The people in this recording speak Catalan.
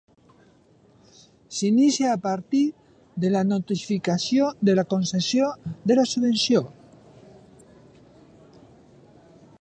S'inicia a partir de la notificació de la concessió de la subvenció.